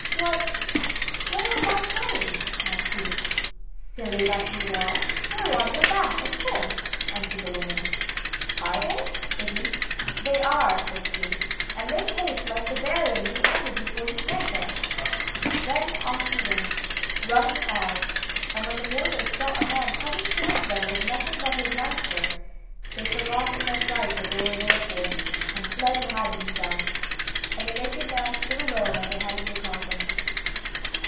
'Why, where are my clothes?' asked he. 'Silly that you are, they are on your back, of course,' answered the woman. 'Are they?' said he. 'They are,' said she, 'and make haste lest the burying be ended before you get there.' Then off he went, running hard, and when the mourners saw a man coming towards them with nothing on but his nightshirt, they forgot in their fright what they were there for, and fled to hide themselves. And the naked man stood alone at the head of the coffin.